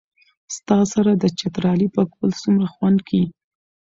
ستا سره چترالي پکول څومره خوند کئ